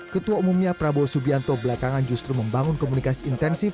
ketua umumnya prabowo subianto belakangan justru membangun komunikasi intensif